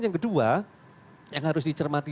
yang kedua yang harus dicermati